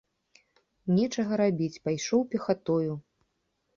Нечага рабіць, пайшоў пехатою.